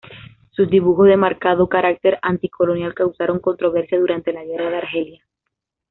Sus dibujos de marcado carácter anticolonial causaron controversia durante la guerra de Argelia.